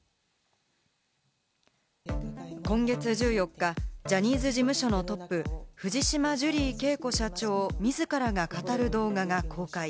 今月１４日、ジャニーズ事務所のトップ、藤島ジュリー景子社長自らが語る動画が公開。